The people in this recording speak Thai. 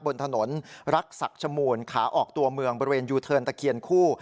บนถนนรักศักดิ์ชมูลขาออกตัวเมืองบริเวณยูเทิร์นตะเคียนคู่